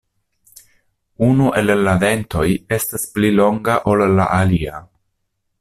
Unu el la dentoj estas pli longa ol la alia.